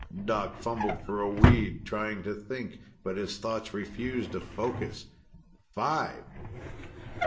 Doc fumbled for a weed, trying to think. But his thoughts refused to focus. "Five!"